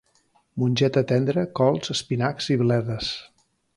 Mongeta tendra, cols, espinacs i bledes